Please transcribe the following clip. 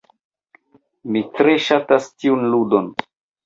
Mi tre ŝatas tiun ludon.